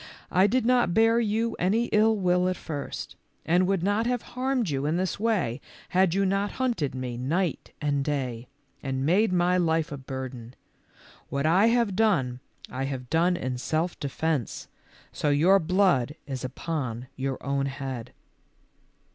I did not bear you any ill will at first, and would not have harmed you in this way had you not hunted me night and day, and made my life a burden. What I have done, I have done in self defence, so your blood is upon your own head."